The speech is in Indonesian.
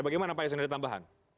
bagaimana pak yasin ada tambahan